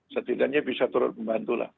setidaknya bisa turut membantulah